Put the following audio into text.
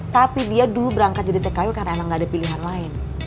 tapi dia dulu berangkat jadi tkw karena emang gak ada pilihan lain